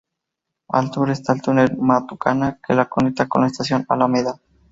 Al sur está el Túnel Matucana, que la conecta con la estación Alameda.